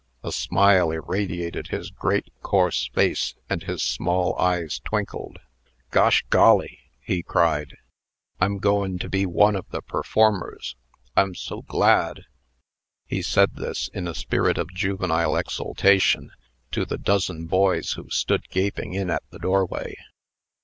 A smile irradiated his great, coarse face, and his small eyes twinkled. "Gosh golly!" he cried; "I'm goin' to be one of the performers. I'm so glad!" He said this, in a spirit of juvenile exultation, to the dozen boys who stood gaping in at the doorway.